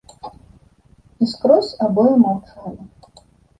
І скрозь абое маўчалі.